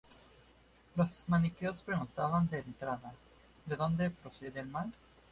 Los maniqueos preguntaban de entrada: ¿de dónde procede el mal?